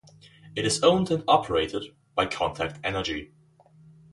It is owned and operated by Contact Energy.